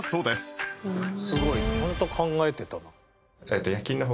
すごいちゃんと考えてたな。